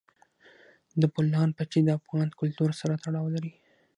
د بولان پټي د افغان کلتور سره تړاو لري.